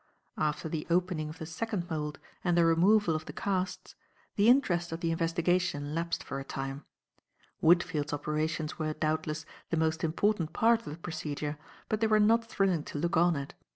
After the opening of the second mould and the removal of the casts, the interest of the investigation lapsed for a time. Woodfield's operations were, doubtless, the most important part of the procedure, but they were not thrilling to look on at.